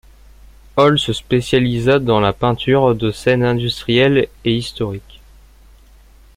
Hole se spécialisa dans la peinture de scènes industrielles et historiques.